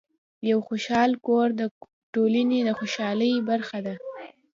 یو خوشحال کور د ټولنې د خوشحالۍ برخه ده.